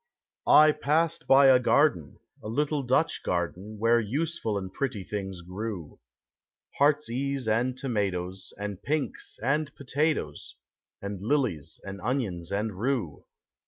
I passed by a garden, a little Dutch garden. Where useful and pretty things grew, — lieart's case and tomatoes, and pinks and pota toes, And lilies and onions and rue.